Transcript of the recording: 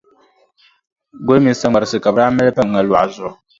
Goli mini saŋmarisi ka bɛ daa maali pa ŋa luɣa zuɣu.